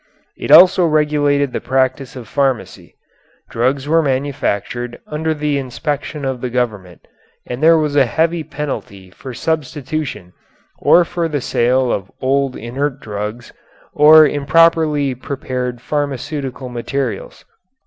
It also regulated the practice of pharmacy. Drugs were manufactured under the inspection of the government and there was a heavy penalty for substitution, or for the sale of old inert drugs, or improperly prepared pharmaceutical materials.